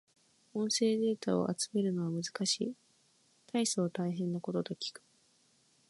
音声データを集めるのは難しい。大層大変なことと聞く。